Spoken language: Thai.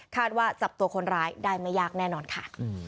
ว่าจับตัวคนร้ายได้ไม่ยากแน่นอนค่ะ